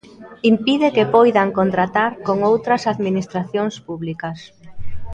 Impide que poidan contratar con outras administracións públicas.